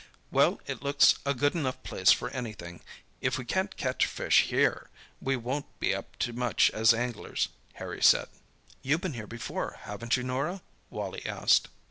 "Well, it looks a good enough place for anything—if we can't catch fish here, we won't be up to much as anglers," Harry said. "You've been here before, haven't you, Norah?" Wally asked.